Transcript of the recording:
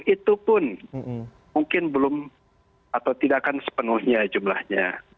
itu pun mungkin belum atau tidak akan sepenuhnya jumlahnya